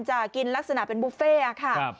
จะกินลักษณะเป็นบุฟเฟ่ค่ะ